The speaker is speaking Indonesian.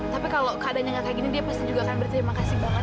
tapi kalau keadaannya nggak kayak gini dia pasti juga akan berterima kasih banget